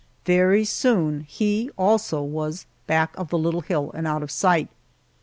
Very soon he, also, was back of the little hill and out of sight.